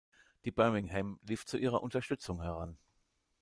Die "Birmingham" lief zu ihrer Unterstützung heran.